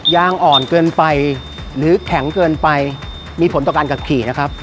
ยางอ่อนเกินไปหรือแข็งเกินไปมีผลต่อการขับขี่นะครับ